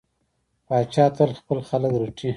پاچا تل خپل خلک رټي.